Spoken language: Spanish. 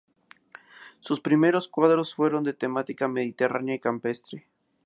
Sus primeros cuadros fueron de temática mediterránea y campestre.